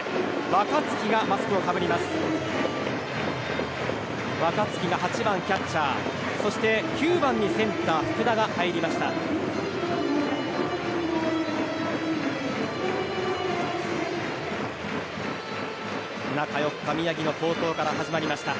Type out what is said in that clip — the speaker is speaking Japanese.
若月が８番キャッチャーそして９番にセンター、福田が入りました。